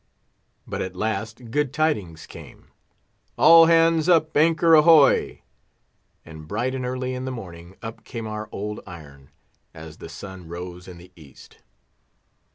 But at last good tidings came. "All hands up anchor, ahoy!" And bright and early in the morning up came our old iron, as the sun rose in the East.